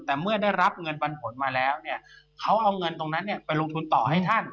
แต่เมื่อได้รับเงินปันผลมาแล้วเนี่ยเขาเอาเงินตรงนั้นไปลงทุนต่อให้ท่าน